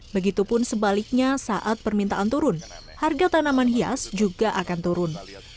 begitupun sebaliknya saat permintaan turun harga tanaman hias juga akan turun